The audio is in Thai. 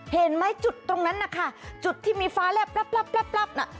เห็นไหมจุดตรงนั้นนะคะจุดที่มีฟ้าแล้วปลั๊บปลั๊บน่ะ